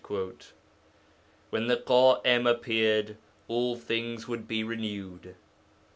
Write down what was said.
When the Ḳa'im appeared all things would be renewed.